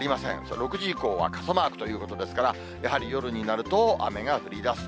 ６時以降は傘マークということですから、やはり夜になると、雨が降りだす。